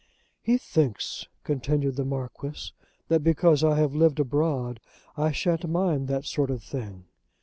"He thinks," continued the Marquis, "that because I have lived abroad I shan't mind that sort of thing.